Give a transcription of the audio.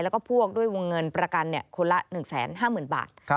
แล้วก็พวกด้วยวงเงินประกันคนละ๑๕๐๐๐บาท